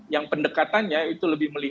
yang pendekatannya itu lebih melihat